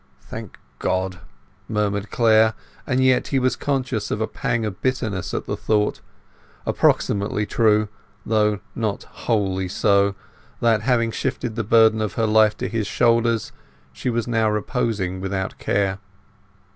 "Thank God!" murmured Clare; and yet he was conscious of a pang of bitterness at the thought—approximately true, though not wholly so—that having shifted the burden of her life to his shoulders, she was now reposing without care.